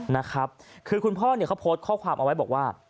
นะครับคือคุณพ่อเนี่ยเขาโพสต์ข้อความเอาไว้บอกว่า